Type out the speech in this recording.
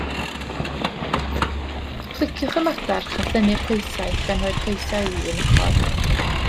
Pliciwch y madarch a thynnu'r coesau, gan roi'r coesau i un ochr.